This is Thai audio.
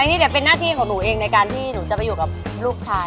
นี่แต่เป็นหน้าที่ของหนูเองในการที่หนูจะไปอยู่กับลูกชาย